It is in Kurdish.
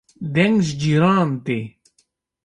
deng ji cîranan tê